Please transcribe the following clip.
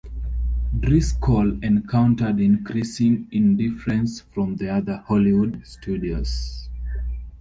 Driscoll encountered increasing indifference from the other Hollywood studios.